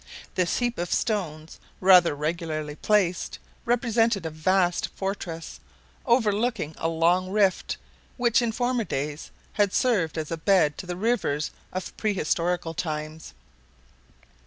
This heap of stones, rather regularly placed, represented a vast fortress, overlooking a long rift, which in former days had served as a bed to the rivers of prehistorical times.